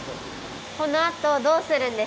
このあとどうするんですか？